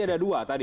jadi ada dua tadi